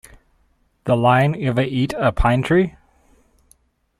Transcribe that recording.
The line Ever eat a pine tree?